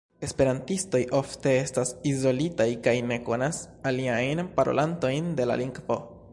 Esperantistoj ofte estas izolitaj kaj ne konas aliajn parolantojn de la lingvo.